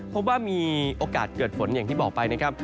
พบว่ามีโอกาสเกิดฝนอย่างที่บอกไปนะครับ